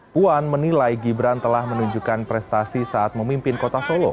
puan menilai gibran telah menunjukkan prestasi saat memimpin kota solo